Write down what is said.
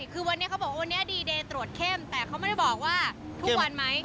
คือวันนี้เขาบอกวันนี้ดีเดย์ตรวจเข้มแต่เขาไม่ได้บอกว่าทุกวันไหม